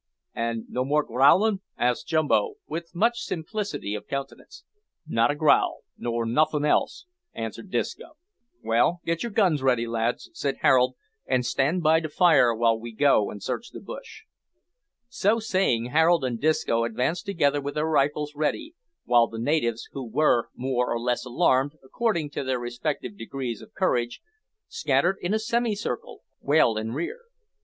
"An' no more growlin'?" asked Jumbo, with much simplicity of countenance. "Not a growl, nor nothin' else," answered Disco. "Well, get your guns ready, lads," said Harold, "and stand by to fire while we go and search the bush." So saying, Harold and Disco advanced together with their rifles ready, while the natives, who were more or less alarmed, according to their respective degrees of courage, scattered in a semicircle well in rear.